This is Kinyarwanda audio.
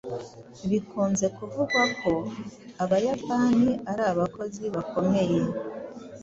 Bikunze kuvugwa ko abayapani ari abakozi bakomeye.